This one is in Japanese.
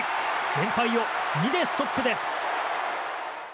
連敗を２でストップです。